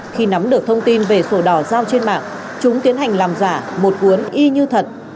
khi nắm được thông tin về sổ đỏ giao trên mạng chúng tiến hành làm giả một cuốn y như thật